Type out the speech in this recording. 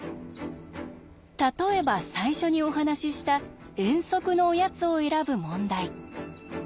例えば最初にお話しした遠足のおやつを選ぶ問題。